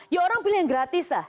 ya orang pilih yang gratis lah